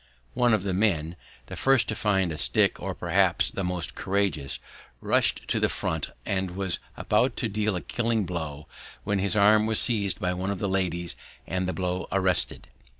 One of the men, the first to find a stick or perhaps the most courageous, rushed to the front and was about to deal a killing blow when his arm was seized by one of the ladies and the blow arrested.